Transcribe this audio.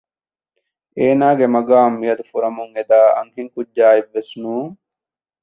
އޭނާގެ މަގާމް މިއަދު ފުރަމުން އެދާ އަންހެންކުއްޖާއެއް ވެސް ނޫން